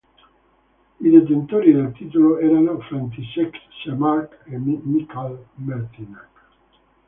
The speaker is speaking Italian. I detentori del titolo erano František Čermák e Michal Mertiňák.